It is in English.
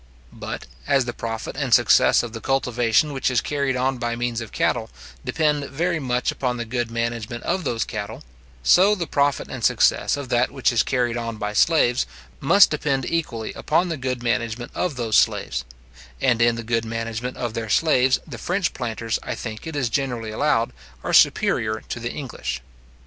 But, as the profit and success of the cultivation which is carried on by means of cattle, depend very much upon the good management of those cattle; so the profit and success of that which is carried on by slaves must depend equally upon the good management of those slaves; and in the good management of their slaves the French planters, I think it is generally allowed, are superior to the English.